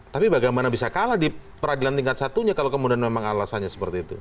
tapi bagaimana bisa kalah di peradilan tingkat satunya kalau kemudian memang alasannya seperti itu